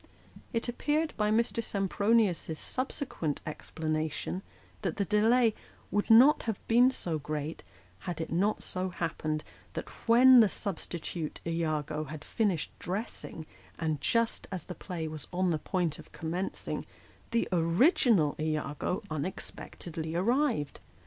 It appeared by Mr. Sempronius's subsequent explanation, that the delay would not have been so great, had it not so happened that when the substitute lago had finished dressing, and just as the play was on the point of commencing, the original lago unexpectedly arrived.